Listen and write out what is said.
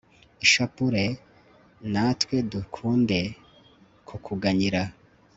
ishapule; natwe dukunde kukuganyira